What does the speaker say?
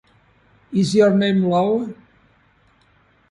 Is your name Lowe?